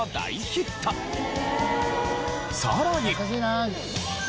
さらに。